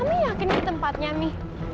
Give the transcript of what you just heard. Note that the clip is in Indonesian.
mami yakin di tempatnya mi